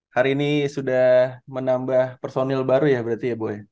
hari ini sudah menambah personil baru ya berarti ya bu ya